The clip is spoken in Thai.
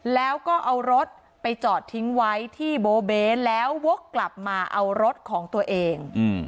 แล้วก็เอารถไปจอดทิ้งไว้ที่โบเบแล้ววกกลับมาเอารถของตัวเอง